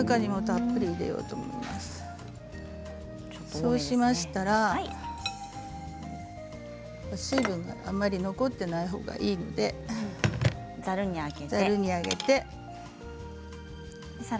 そうしましたら水分があまり残っていないほうがいいのでざるに上げます。